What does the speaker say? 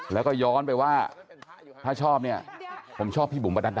แล้วก็ย้อนไปว่าถ้าชอบผมชอบพี่บุ๋มประดาษ